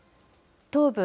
東部